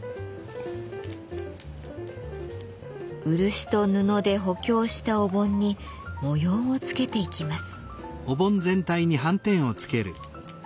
漆と布で補強したお盆に模様をつけていきます。